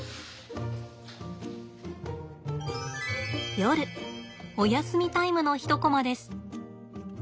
夜おやすみタイムの一コマです。